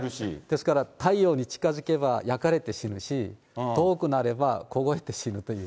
だから太陽に近づけば焼かれて死ぬし、遠くなれば凍えて死ぬという。